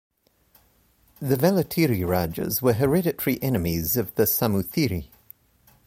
The Vellatiri rajas were hereditary enemies of the Samoothiri.